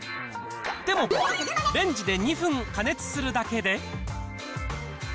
でもレンジで２分加熱するだけで。